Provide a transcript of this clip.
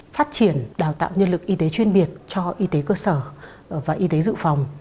phát triển đào tạo nhân lực y tế chuyên biệt cho y tế cơ sở và y tế dự phòng